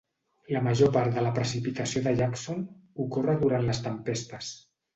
La major part de la precipitació de Jackson ocorre durant les tempestes.